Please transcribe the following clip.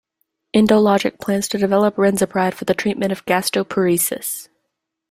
EndoLogic plans to develop Renzapride for the treatment of gastroparesis.